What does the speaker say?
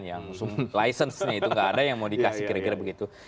yang license nya itu nggak ada yang mau dikasih kira kira begitu